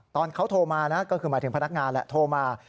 ตอนเขาโทรมานะก็คือหมายถึงพนักงานแหละโทรมา